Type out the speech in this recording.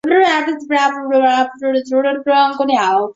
糖山南侧就是中央公园。